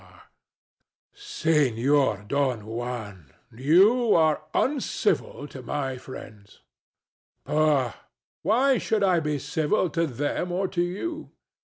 [mortified] Senor Don Juan: you are uncivil to my friends. DON JUAN. Pooh! why should I be civil to them or to you?